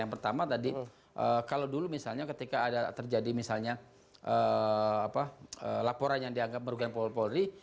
yang pertama tadi kalau dulu misalnya ketika ada terjadi misalnya laporan yang dianggap merugikan polri